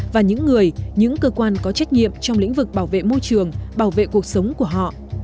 và những người những cơ quan có trách nhiệm trong lĩnh vực bảo vệ môi trường bảo vệ cuộc sống của họ